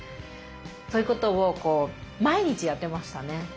そういうことを毎日やってましたね。